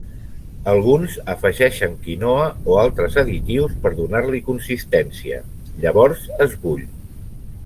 Alguns afegeixen quinoa o altres additius per a donar-li consistència, llavors es bull.